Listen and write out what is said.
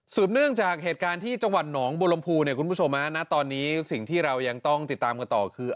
เนื่องจากเหตุการณ์ที่จังหวัดหนองบุรมภูเนี่ยคุณผู้ชมฮะณตอนนี้สิ่งที่เรายังต้องติดตามกันต่อคือ